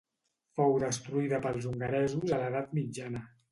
Fou destruïda pels hongaresos a l'edat mitjana.